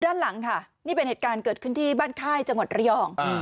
ด้านหลังค่ะนี่เป็นเหตุการณ์เกิดขึ้นที่บ้านค่ายจังหวัดระยอง